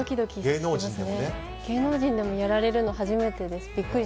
芸能人でもやられるの初めてです。